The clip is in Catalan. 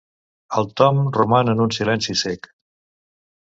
El Tom roman en un silenci cec.